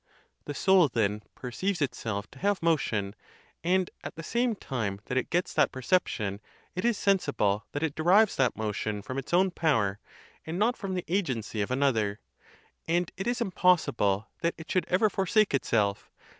The soul, then, perceives itself to have motion, ON THE CONTEMPT OF DEATH. 33 and, at the same time that it gets that perception, it is sensible that it derives that motion from its own power, and not from the agency of another; and it is impossible that it should ever forsake itself.